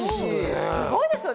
すごいですよね。